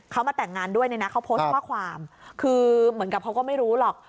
เขามาแต่งงานด้วยเนี่ยนะเขาโพสต์ข้อความคือเหมือนกับเขาก็ไม่รู้หรอก